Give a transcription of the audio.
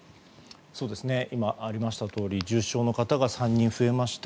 今ありましたとおり重症の方が３人増えました。